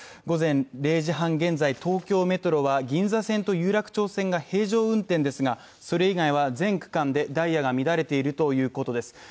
午前０時半現在東京メトロは銀座線と有楽町線が平常運転ですが、それ以外は全区間でダイヤが乱れているということです